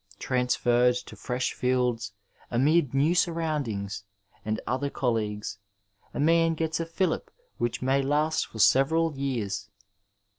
Transferred to fresh fields, amid new surroundings and other colleagues, a man gets a filUp which may last for several years.